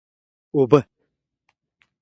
اوبه!